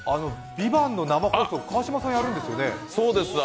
「ＶＩＶＡＮＴ」の生放送川島さんやるんですよね。